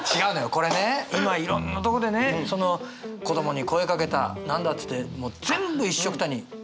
これね今いろんなとこでねその子どもに声かけた何だっつってもう全部いっしょくたに悪いことにされてる。